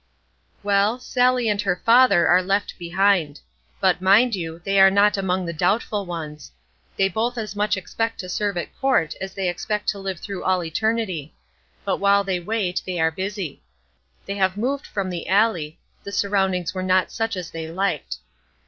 Well, Sallie and her father are left behind. But, mind you, they are not among the doubtful ones. They both as much expect to serve at court as they expect to live through all eternity. But while they wait they are busy. They have moved from the alley; the surroundings were not such as they liked.